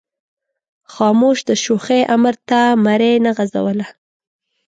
خاموش د شوخۍ امر ته مرۍ نه غځوله.